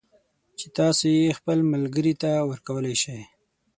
چې تاسو یې خپل ملگري ته ورکولای شئ